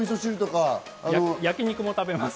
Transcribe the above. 焼肉も食べます。